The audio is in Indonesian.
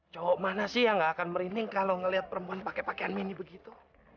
cowok mana sih yang gak akan merinding kalau ngelihat perempuan pakai pakaian mini begitu